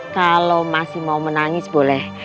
kalau masih mau menangis boleh